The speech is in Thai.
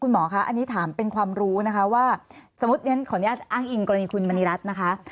หมอคะอันนี้ถามเป็นความรู้นะคะว่าสมมุติขออนุญาตอ้างอิงกรณีคุณมณีรัฐนะคะ